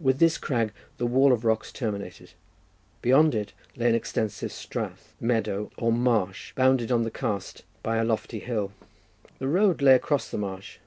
With this crag the wall of rocks terminated; beyond it lay an extensive strath, meadow, or marsh, bounded on the east by a lofty hill. The road lay across the marsh.